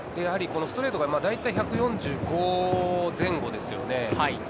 ストレートが大体１４５前後ですよね。